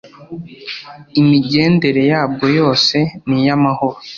imigendere yabwo yose ni iy amahoro